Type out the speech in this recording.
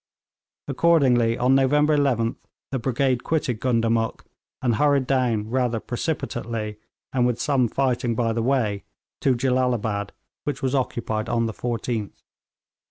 Accordingly on November 11th the brigade quitted Gundamuk, and hurried down rather precipitately, and with some fighting by the way, to Jellalabad, which was occupied on the 14th.